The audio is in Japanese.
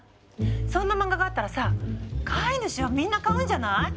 そんな漫画があったらさ飼い主はみんな買うんじゃない？